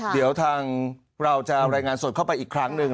เดี๋ยวทางเราจะรายงานสดเข้าไปอีกครั้งหนึ่ง